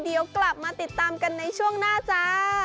เดี๋ยวกลับมาติดตามกันในช่วงหน้าจ้า